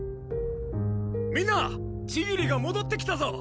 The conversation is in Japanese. みんな千切が戻ってきたぞ！